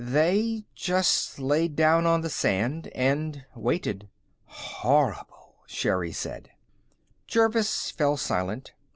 "They just laid down on the sand and waited." "Horrible!" Sherri said. Jervis fell silent.